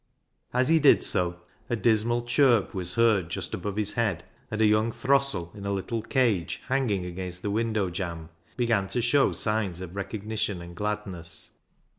As he did so, a dismal chirp was heard just above his head, and a young " throstle " in a little cage hanging against the window jamb began to show signs of recognition and gladness.